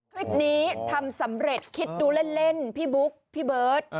คลิปนี้ทำสำเร็จคิดดูเล่นพี่บุ๊คพี่เบิร์ต